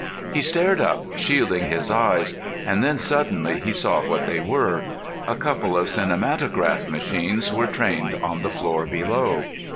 He stared up, shielding his eyes, and then suddenly he saw what they were. A couple of cinematograph machines were trained on the floor below!